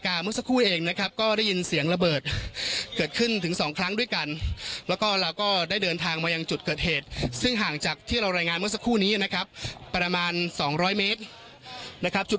เมื่อสักครู่เองนะครับก็ได้ยินเสียงระเบิดเกิดขึ้นถึงสองครั้งด้วยกันแล้วก็เราก็ได้เดินทางมายังจุดเกิดเหตุซึ่งห่างจากที่เรารายงานเมื่อสักครู่นี้นะครับประมาณ๒๐๐เมตรนะครับจุด